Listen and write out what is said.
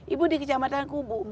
ibu di kecamatan kubu